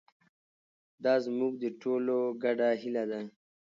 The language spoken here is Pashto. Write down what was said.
دا زموږ د ټولو ګډه هیله ده.